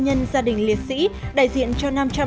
nhân gia đình liệt sĩ đại diện cho năm trăm tám mươi